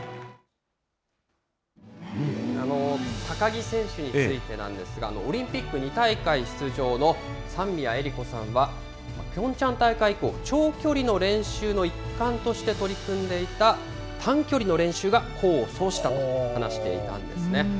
高木選手についてなんですが、オリンピック２大会出場の三宮恵利子さんは、ピョンチャン大会以降、長距離の練習の一環として取り組んでいた短距離の練習が功を奏したと話していたんですね。